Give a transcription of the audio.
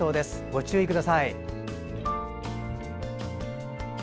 ご注意ください。